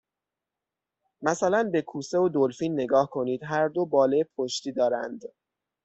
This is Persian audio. مثلا به کوسه و دلفین نگاه کنید، هر دو باله پشتی دارند.